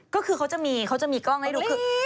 ก็คือเขาจะมีกล้องให้ดู